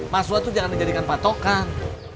mas suha itu jangan dijadikan patokan